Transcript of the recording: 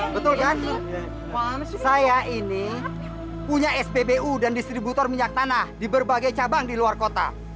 betul kan saya ini punya spbu dan distributor minyak tanah di berbagai cabang di luar kota